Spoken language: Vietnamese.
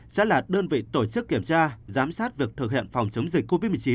sẽ là đơn vị tổ chức kiểm tra giám sát việc thực hiện phòng chống dịch covid một mươi chín